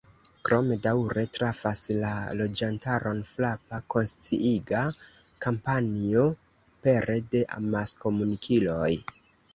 Krome daŭre trafas la loĝantaron frapa, konsciiga kampanjo pere de amaskomunikiloj.